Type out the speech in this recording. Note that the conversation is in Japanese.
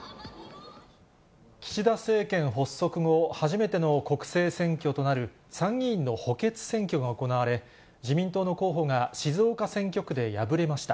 岸田政権発足後、初めての国政選挙となる、参議院の補欠選挙が行われ、自民党の候補が静岡選挙区で敗れました。